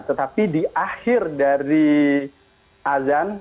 tetapi di akhir dari azan